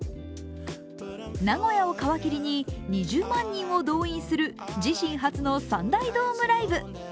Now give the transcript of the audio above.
名古屋を皮切りに２０万人を動員する、自身初の３大ドームライブ。